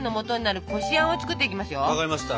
分かりました。